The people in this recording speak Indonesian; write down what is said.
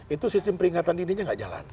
itu sistem peringatan dininya nggak jalan